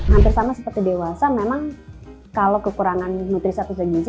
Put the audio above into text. hampir sama seperti dewasa memang kalau kekurangan nutrisi atau gizi